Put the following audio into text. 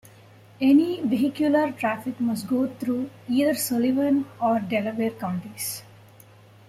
Any vehicular traffic must go through either Sullivan or Delaware counties.